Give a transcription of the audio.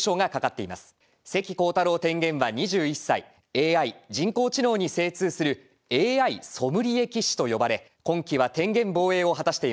ＡＩ人工知能に精通するＡＩソムリエ棋士と呼ばれ今期は天元防衛を果たしています。